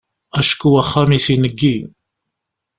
Acku axxam-is ineggi.